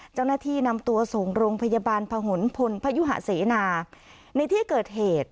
เจ้าหน้าที่นำตัวส่งโรงพยาบาลพหนพลพยุหะเสนาในที่เกิดเหตุ